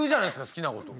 好きなことを。